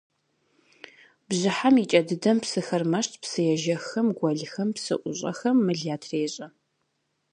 Бжьыхьэм и кӏэ дыдэм псыхэр мэщт – псыежэххэм, гуэлхэм, псыӏущӏэхэм мыл ятрещӏэ.